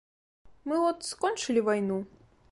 Мы от скончылі вайну.